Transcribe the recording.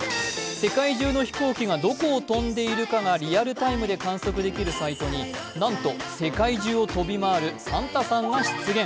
世界中の飛行機がどこを飛んでいるかをリアルタイムで観測できるサイト、なんと世界中を飛び回るサンタさんが出現。